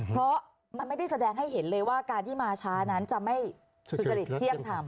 เพราะมันไม่ได้แสดงให้เห็นเลยว่าการที่มาช้านั้นจะไม่สุจริตเที่ยงธรรม